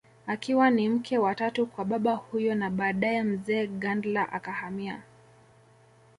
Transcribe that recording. Akiwa ni mke wa tatu kwa baba huyo na badae mzee Gandla akahamia